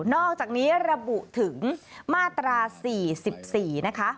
อกจากนี้ระบุถึงมาตรา๔๔นะคะ